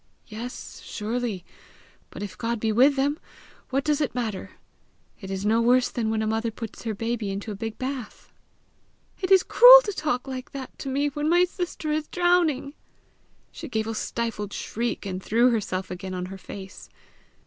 "Yes, surely! but if God be with them what does it matter! It is no worse than when a mother puts her baby into a big bath." "It is cruel to talk like that to me when my sister is drowning!" She gave a stifled shriek, and threw herself again on her face.